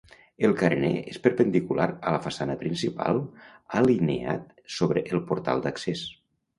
El carener és perpendicular a la façana principal, alineat sobre el portal d'accés.